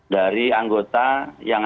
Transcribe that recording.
dari anggota yang